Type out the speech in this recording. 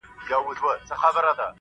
« اتفاق په پښتانه کي پیدا نه سو ».!